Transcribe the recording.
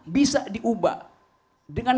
bisa diubah dengan